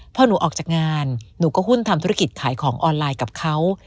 พอหนูออกจากงานหนูก็หุ้นทำธุรกิจขายของออนไลน์กับเขา